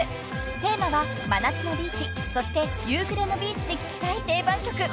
［テーマは真夏のビーチそして夕暮れのビーチで聴きたい定番曲］